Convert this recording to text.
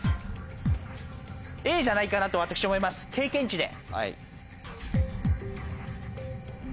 Ａじゃないかなと私は思います経験値で。